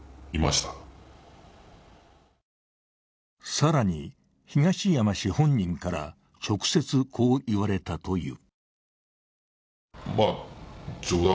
更に東山氏本人から直接こう言われたという。